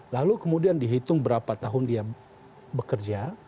lalu kemudian dihitung berapa tahun dia bekerja